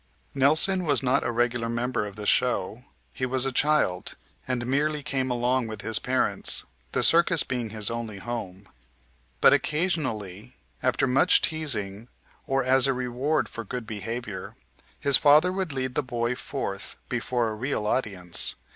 Nelson was not a regular member of the show; he was a child, and merely came along with his parents, the circus being his only home; but occasionally, after much teasing or as a reward for good behavior, his father would lead the boy forth before a real audience.